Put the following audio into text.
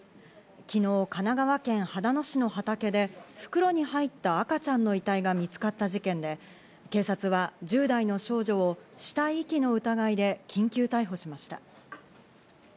昨日、神奈川県秦野市の畑で袋に入った赤ちゃんの遺体が見つかった事件で警察は１０代の少女を死体遺棄の疑いで緊急逮捕しました。